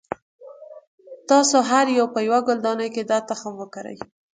تاسې هر یو به یوه ګلدانۍ کې دا تخم وکری.